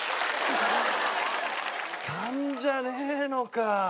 ３じゃねえのか。